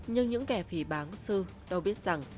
nhưng những kẻ phì báng sư đâu biết rằng